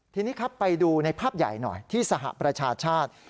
ทีนี้ครับไปดูในภาพใหญ่หน่อยที่สหประชาชาติ